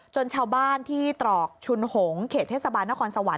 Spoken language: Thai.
ชาวบ้านที่ตรอกชุนหงเขตเทศบาลนครสวรรค